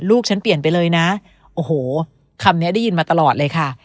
ลูกฉันเปลี่ยนไปเลยนะโอ้โหคำนี้ได้ยินมาตลอดเลยค่ะ